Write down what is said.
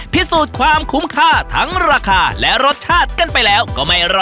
พิสูจน์ความคุ้มค่าทั้งราคาและรสชาติกันไปแล้วก็ไม่รอ